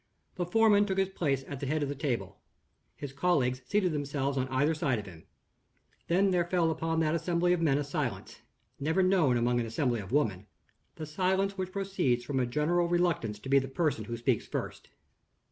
The foreman took his place at the head of the table. His colleagues seated themselves on either side of him. Then there fell upon that assembly of men a silence, never known among an assembly of women the silence which proceeds from a general reluctance to be the person who speaks first.